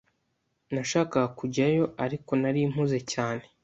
Nashakaga kujyayo, ariko nari mpuze cyane.